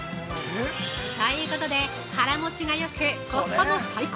◆ということで、腹もちがよくコスパも最高！